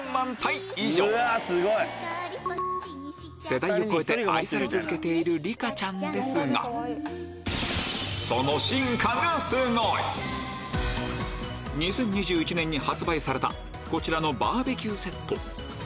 世代を超えて愛され続けているリカちゃんですが２０２１年に発売されたこちらのバーベキューセット